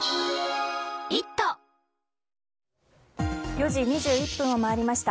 ４時２１分を回りました。